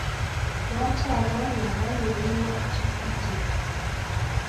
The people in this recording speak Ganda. Lwaki abaana baalulirwa ku kifugi?